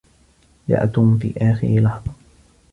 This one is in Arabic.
جاء توم في آخر لحظة.